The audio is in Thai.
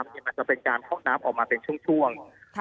มันจะเป็นการเพาะน้ำออกมาเป็นช่วง